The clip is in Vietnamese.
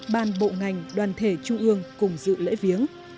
ban bộ ngành đoàn thể trung ương cùng dự lễ viếng